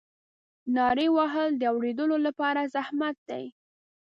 نارې وهل د اورېدلو لپاره زحمت دی.